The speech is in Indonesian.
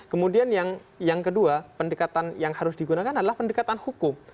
kemudian yang kedua pendekatan yang harus digunakan adalah pendekatan hukum